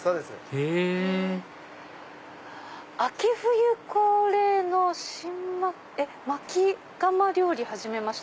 へぇ「秋冬恒例の」薪窯料理始めました。